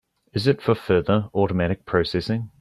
Is it for further automatic processing?